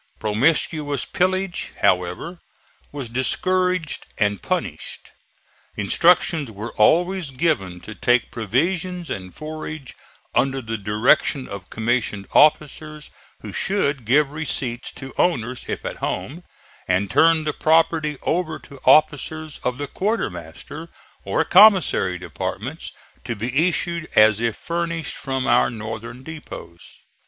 Promiscuous pillaging, however, was discouraged and punished. Instructions were always given to take provisions and forage under the direction of commissioned officers who should give receipts to owners, if at home, and turn the property over to officers of the quartermaster or commissary departments to be issued as if furnished from our Northern depots.